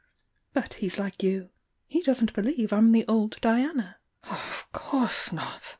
But he's like you — he doesn't believe I'm the old Diana!" "Of course not!"